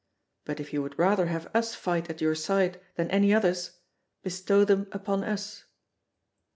But if you would rather have us fight at your side than any others, bestow them upon us.